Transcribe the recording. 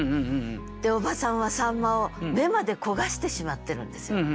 で叔母さんは秋刀魚を眼迄焦がしてしまってるんですよ。